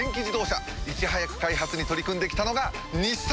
いち早く開発に取り組んで来たのが日産！